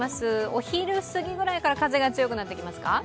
お昼過ぎぐらいから風が強くなってきますか。